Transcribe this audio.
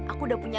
aku udah punya